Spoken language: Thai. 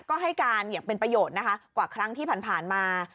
ก็ให้การอย่างเป็นประโยชน์นะคะกว่าครั้งที่ผ่านมา